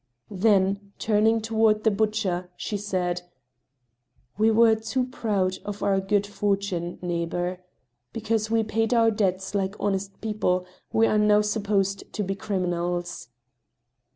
" Then, turning toward the butcher, she said :" We were too proud of our good fortune, neighbor. Because we paid our debts like honest people, we are now supposed to be criminals."